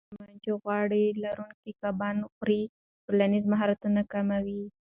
ماشومان چې غوړ لرونکي کبان نه خوري، ټولنیز مهارتونه کم وي.